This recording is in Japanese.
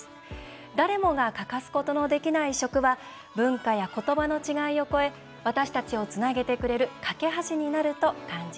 誰もが欠かすことのできない食は文化や言葉の違いを超え私たちをつなげてくれる懸け橋になると感じます。